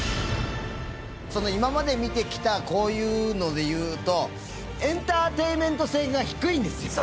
今まで見てきたこういうのでいうとエンターテインメント性が低いんですよ。